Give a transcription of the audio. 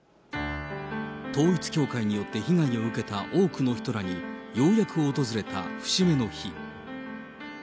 統一教会によって被害を受けた多くの人らにようやく訪れた節目の日。